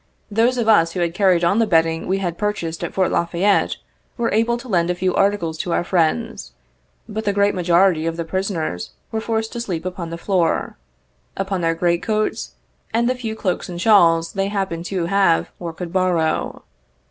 Those of us who had carried on the bedding we had purchased at Fort La Fayette, were able to lend a few articles to our friends, but the great majority of the prison ers were forced to sleep upon the floor, upon their great coats and the few cloaks and shawls they happened to have or could borrow.